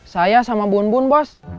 saya sama bun bun bos